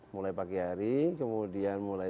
mulai pagi hari kemudian mulai